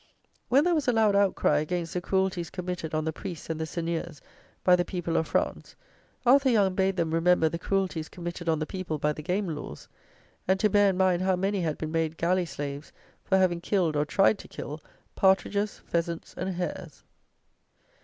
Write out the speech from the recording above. When there was a loud outcry against the cruelties committed on the priests and the seigneurs, by the people of France, Arthur Young bade them remember the cruelties committed on the people by the game laws, and to bear in mind how many had been made galley slaves for having killed, or tried to kill, partridges, pheasants, and hares!